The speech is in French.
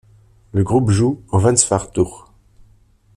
Le groupe joue au Vans Warped Tour.